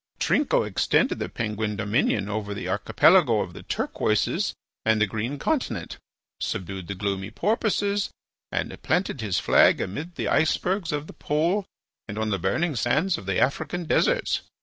Trinco extended the Penguin dominion over the Archipelago of the Turquoises and the Green Continent, subdued the gloomy Porpoises, and planted his flag amid the icebergs of the Pole and on the burning sands of the African deserts.